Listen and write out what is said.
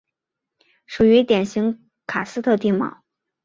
属于典型喀斯特地貌。